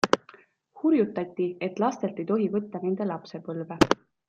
Hurjutati, et lastelt ei tohi võtta nende lapsepõlve.